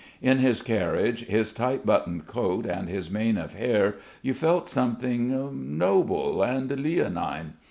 In his carriage, his tight buttoned coat and his mane of hair you felt something noble and leonine.